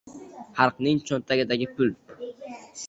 Xalqning cho‘ntagidagi pul!